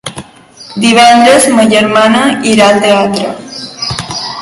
Divendres ma germana irà al teatre.